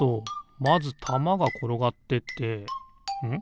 まずたまがころがってってん？